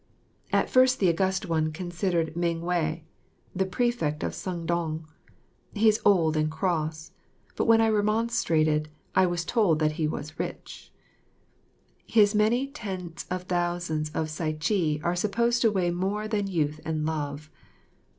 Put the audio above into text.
At first the August One considered Meng wheh, the prefect at Sung dong. He is old and cross, but when I remonstrated, I was told that he was rich. His many tens of thousands of sycee are supposed to weigh more than youth and love.